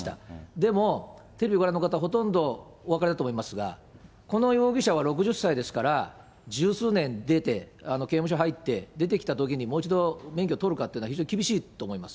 でも、テレビご覧の方、ほとんどお分かりだと思いますが、この容疑者は６０歳ですから、十数年で、刑務所入って出てきたときに、もう一度免許取るかっていうのは非常に厳しいと思います。